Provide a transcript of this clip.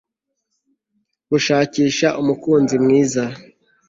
gushakisha umukunzi mwiza